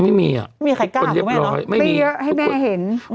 ไม่มีอ่ะไม่มีใครกล้าไม่เยอะให้แม่เห็น